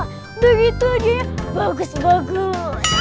udah gitu hadiahnya bagus bagus